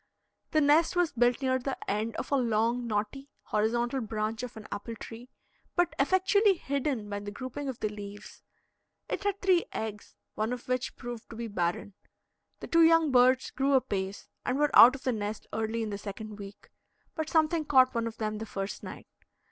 The nest was built near the end of a long, knotty, horizontal branch of an apple tree, but effectually hidden by the grouping of the leaves; it had three eggs, one of which proved to be barren. The two young birds grew apace, and were out of the nest early in the second week; but something caught one of them the first night.